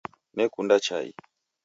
Nekunda chai